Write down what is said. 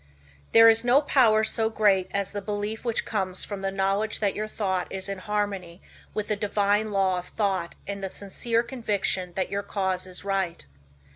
There is no power so great as the belief which comes from the knowledge that your thought is in harmony with the divine laws of thought and the sincere conviction that your cause is right.